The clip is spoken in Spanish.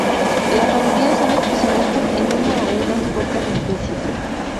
La mayoría son especialistas en una o unas pocas especies.